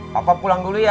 papa pulang dulu ya